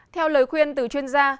theo lời khuyên từ chuyên gia